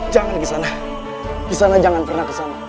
jangan kisah anak kisah anak jangan pernah ke sana